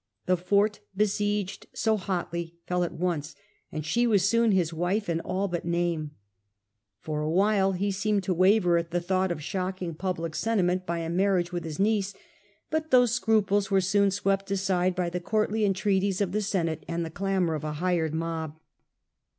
The fort besieged so hotly fell at once, and she was soon his wife in all but name. For awhile he seemed to waver at the thought of shocking public senti 96 The Earlier Empire, A.D. 41 54* ment by a marriage with his niece ; but those scruples were soon swept aside by the courtly entreaties of the Senate and the clamour of a hired mob.